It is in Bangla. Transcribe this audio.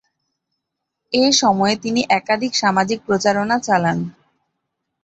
এই সময়ে তিনি একাধিক সামাজিক প্রচারণা চালান।